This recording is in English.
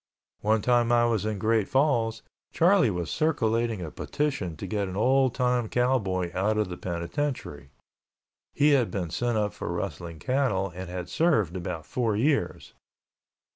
One time I was in Great Falls, Charlie was circulating a petition to get an old time cowboy out of the penitentiary. He had been sent up for rustling cattle and had served about four years.